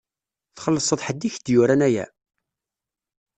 Txellṣeḍ ḥedd i k-d-yuran aya?